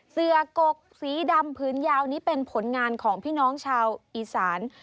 เสือกกสีดำผืนยาวนี้เป็นผลงานของพี่น้องชาวอีสาน